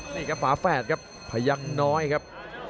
นี่กับฝาแฟดครับพะยักษ์น้อยครับ